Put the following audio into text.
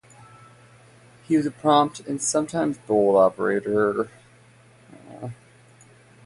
He was a prompt and sometimes bold operator.